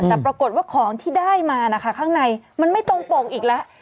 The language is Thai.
แต่ปรากฏว่าของที่ได้มานะคะข้างในมันไม่ตรงปกอีกแล้ว